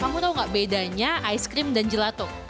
kamu tau gak bedanya ice cream dan gelato